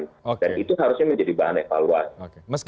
dan itu harusnya menjadi bahan evaluasi